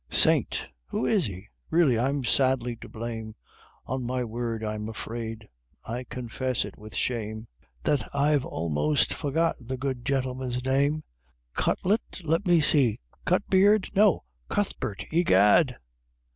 Saint who is it? really I'm sadly to blame, On my word I'm afraid, I confess it with shame, That I've almost forgot the good Gentleman's name, Cut let me see Cutbeard? no CUTHBERT! egad!